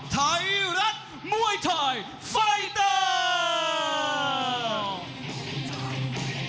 ไทยรัฐมวยไทยไฟเตอร์